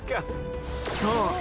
そう！